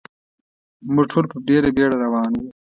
موږ ټول په ډېره بېړه روان و.